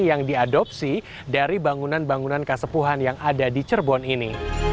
yang diadopsi dari bangunan bangunan kasepuhan yang ada di cerbon ini